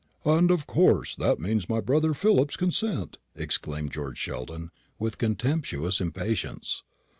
"And of course that means my brother Philip's consent," exclaimed George Sheldon, with contemptuous impatience.